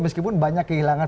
meskipun banyak kehilangan